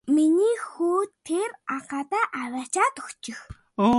Миний хүү тэр агаадаа аваачаад өгчих.